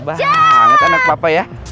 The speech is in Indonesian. pintar banget anak papa ya